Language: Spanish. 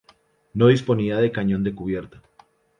No disponía de cañón de cubierta.